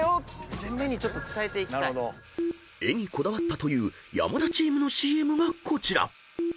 ［絵にこだわったという山田チームのＣＭがこちら］